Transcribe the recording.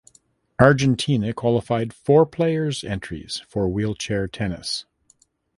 Argentina qualified four players entries for wheelchair tennis.